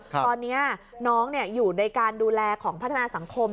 ตอนนี้น้องอยู่ในการดูแลของพัฒนาสังคม